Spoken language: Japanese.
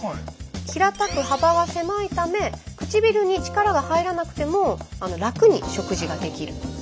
平たく幅が狭いため唇に力が入らなくても楽に食事ができる。